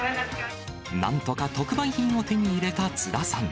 なんとか特売品を手に入れた、津田さん。